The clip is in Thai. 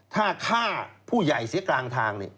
ถ้าฆ่าผู้ใหญ่เสียกลางทาง